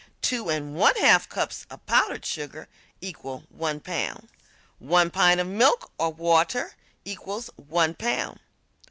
Two and one half cups of powdered sugar equal 1 pound. One pint of milk or water equals 1 pound.